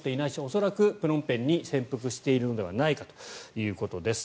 恐らくプノンペンに潜伏しているのではないかということです。